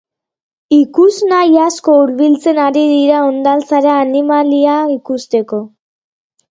Ikusnahi asko hurbiltzen ari dira hondartzara animalia ikusteko.